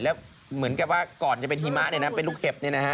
แล้วเหมือนกับว่าก่อนจะเป็นหิมะเนี่ยนะเป็นลูกเห็บ